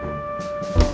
kamu mau ke rumah